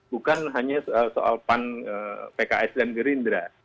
bukan hanya soal pan pks dan gerindra